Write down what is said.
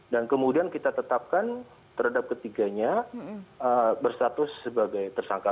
dan kemudian kita tetapkan terhadap ketiganya bersatu sebagai tersangka